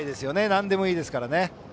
なんでもいいですからね。